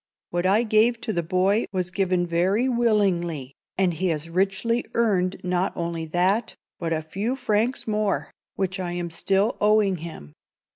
What I gave to the boy was given very willingly, and he has richly earned not only that, but a few francs more, which I am still owing him.